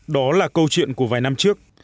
đó là câu chuyện của vài năm trước